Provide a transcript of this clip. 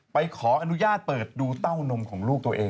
ไปขออนุญาตเปิดดูเต้านมของลูกตัวเอง